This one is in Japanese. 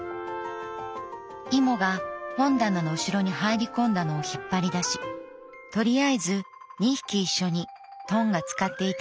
イモが本棚の後ろに入り込んだのを引っ張り出しとりあえず二匹一緒にトンが使っていたケージに入れた。